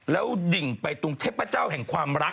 แล้วดิ่งไปตรงเทพเจ้าแห่งความรัก